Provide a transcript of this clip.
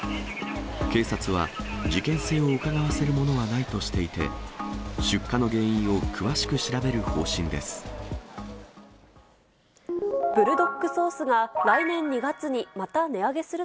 警察は、事件性をうかがわせるものはないとしていて、出火の原因を詳しく調べる方針です。